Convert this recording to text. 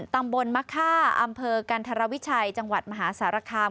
ตำบลมะค่าอำเภอกันธรวิชัยจังหวัดมหาสารคาม